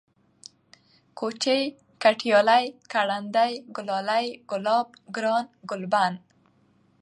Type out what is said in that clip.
كوچى ، گټيالی ، گړندی ، گلالی ، گلاب ، گران ، گلبڼ